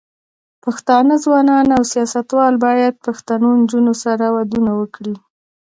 پښتانه ځوانان او سياستوال بايد پښتنو نجونو سره ودونه وکړي.